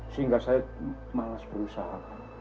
sehingga saya malas berusaha